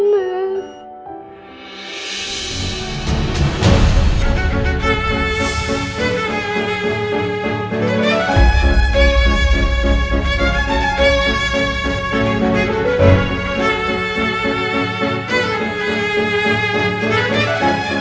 mama bangun mas